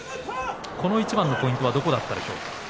この一番のポイントはどこだったでしょうか。